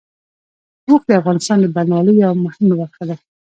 اوښ د افغانستان د بڼوالۍ یوه مهمه برخه ده.